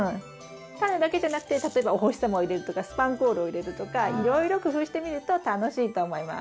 タネだけじゃなくて例えばお星様を入れるとかスパンコールを入れるとかいろいろ工夫してみると楽しいと思います。